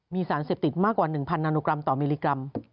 มีสารเสพติดมากกว่า๑๐๐นาโนกรัมต่อมิลลิกรัม